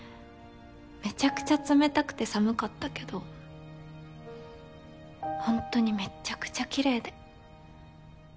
めちゃくちゃ冷たくて寒かったけどほんとにめっちゃくちゃきれいで。